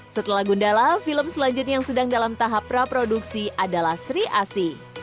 setelah gundala film selanjutnya yang sedang dalam tahap praproduksi adalah sri asi